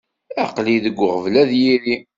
Aql-i deg uɣbel ar yiri.